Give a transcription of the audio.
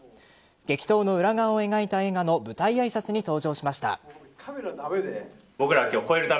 激闘の裏側を描いた映画の舞台挨拶に登場しました。